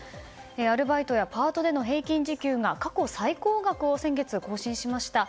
アルバイトやパートでの平均時給が、過去最高額を先月更新しました。